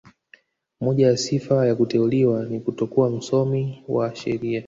Moja ya sifa ya kuteuliwa ni kutokuwa msomi wa sheria